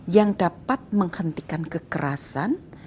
yang dapat menghentikan kekerasan